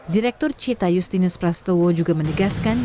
direktur cita justinus prastowo juga menegaskan